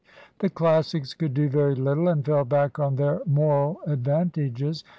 The Classics could do very little, and fell back on their moral advantages.